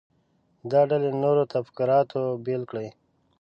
دا ډلې له نورو تفکراتو بیل کړي.